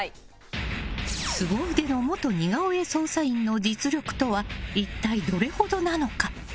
スゴ腕の元似顔絵捜査員の実力とは、一体どれほどなのか。